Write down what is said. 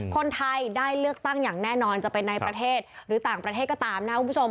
คนไทยได้เลือกตั้งอย่างแน่นอนจะเป็นในประเทศหรือต่างประเทศก็ตามนะครับคุณผู้ชม